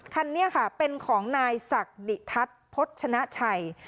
คันนี้ค่ะเป็นของนายศักดิทัศน์พจชนะชัย